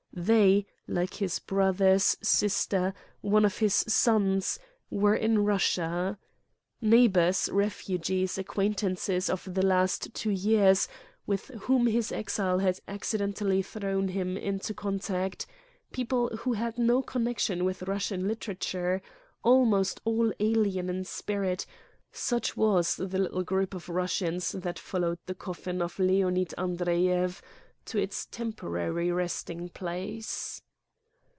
They, like his brothers, sister, one of his sons, were in Eussia. Neighbors, refugees, acquaintances of the last two years with whom his exile had ac cidentally thrown him into contact, people who xvi Preface had no connection with Eussian literature, al most all alien in spirit such was the little group of Russians that followed the coffin of Leonid Andreyev to its temporary resting place.